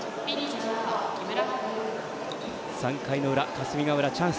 ３回の表、霞ヶ浦チャンス。